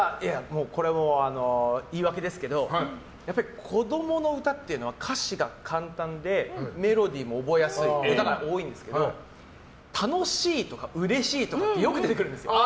これもう、言い訳ですけどやっぱり子供の歌っていうのは歌詞が簡単でメロディーも覚えやすい歌が多いんですけど楽しいとか、うれしいとかよく出てくるんです。